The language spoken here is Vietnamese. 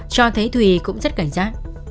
cho thấy thủy cũng rất cảnh giác